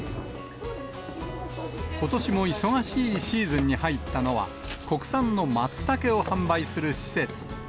ことしも忙しいシーズンに入ったのは、国産のマツタケを販売する施設。